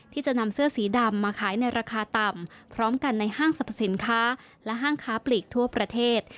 ที่จะนำเสื้อสีดำมาขายในราคาต่ำพร้อมกันในห้างสรรพสินค้าและห้างค้าปลีกทั่วประเทศ